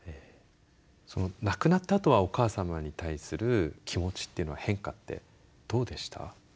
亡くなったあとはお母様に対する気持ちっていうのは変化ってどうでした？